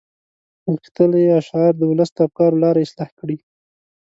غښتلي اشعار د ولس د افکارو لاره اصلاح کړي.